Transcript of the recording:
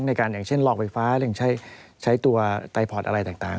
อย่างเช่นหลอกไฟฟ้าเร่งใช้ตัวไตพอร์ตอะไรต่าง